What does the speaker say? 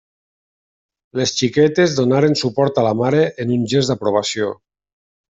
Les xiquetes donaren suport a la mare amb un gest d'aprovació.